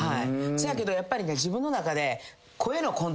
そやけどやっぱり自分の中で。